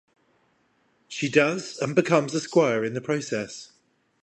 She does and becomes a squire in the process.